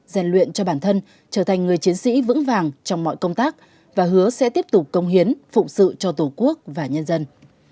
dành luyện cho bản thân trở thành người chiến sĩ vững vàng trong mọi công tác và hứa sẽ tiếp tục công hiến phụng sự cho tổ quốc và nhân dân